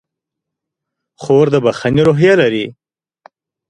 خور د بښنې روحیه لري.